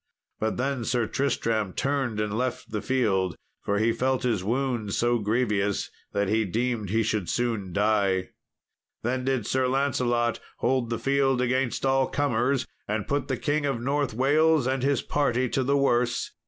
But then Sir Tristram turned and left the field, for he felt his wound so grievous that he deemed he should soon die. Then did Sir Lancelot hold the field against all comers, and put the King of North Wales and his party to the worse.